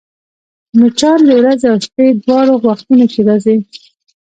مچان د ورځي او شپې دواړو وختونو کې راځي